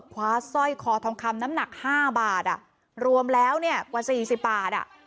สร้อยคอทองคำน้ำหนักห้าบาทอ่ะรวมแล้วเนี่ยกว่าสี่สิบบาทอ่ะ